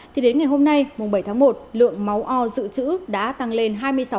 thì đến ngày hôm nay mùng bảy tháng một lượng máu o dự trữ đã tăng lên hai mươi sáu